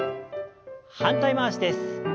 反対回しです。